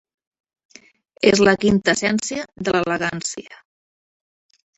És la quinta essència de l'elegància.